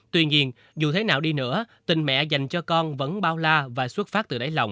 tuy nhiên dù thế nào đi nữa tình mẹ dành cho con vẫn bao la và xuất phát từ đáy lòng